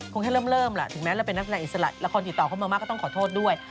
แค่เริ่มล่ะถึงแม้เราเป็นนักแสดงอิสระละครติดต่อเข้ามามากก็ต้องขอโทษด้วย